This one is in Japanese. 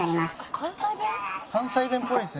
「関西弁っぽいですね」